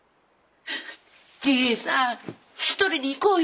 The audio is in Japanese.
治平さん引き取りに行こうよ。